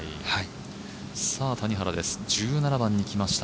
谷原です、１７番に来ました。